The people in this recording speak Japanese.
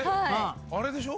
あれでしょ？